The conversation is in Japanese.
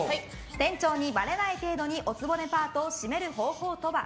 店長にばれない程度にお局パートをシメる方法とは？